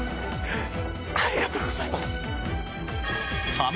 ありがとうございます！